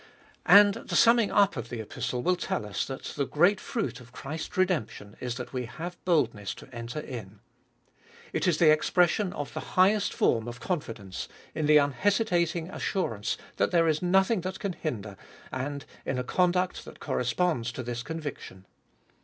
And the summing up of the Epistle will tell us that the great fruit of Christ's redemption is that we have boldness to enter in. It is the expression of the highest form of confidence, in the unhesitating assurance that there is nothing that can hinder, and in a conduct that corresponds to this conviction.